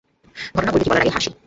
ঘটনা বলবে কি, বলার আগেই হাসি।